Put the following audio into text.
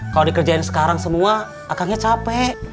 kalo dikerjain sekarang semua akangnya capek